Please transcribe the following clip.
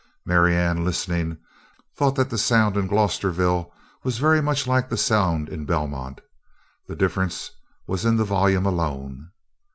Marianne, listening, thought that the sound in Glosterville was very much like the sound in Belmont. The difference was in the volume alone.